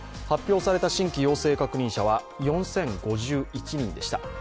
発表された新規陽性確認者は４０５１人でした。